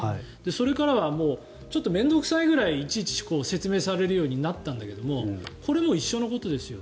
それからはちょっと面倒臭いくらいいちいち説明されるようになったんだけどこれも一緒のことですよ。